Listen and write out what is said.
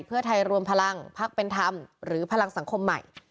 เพื่อไทยรวมพลังพักเป็นธรรมหรือพลังสังคมใหม่